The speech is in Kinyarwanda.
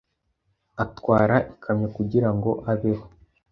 atwara ikamyo kugirango abeho.